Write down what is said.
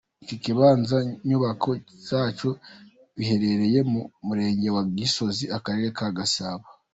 Iki kibanza n’inyubako zacyo biherereye mu Murenge wa Gisozi, Akarere ka Gasabo.